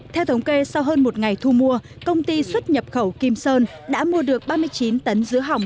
theo thống kê sau hơn một ngày thu mua công ty xuất nhập khẩu kim sơn đã mua được ba mươi chín tấn giữ hỏng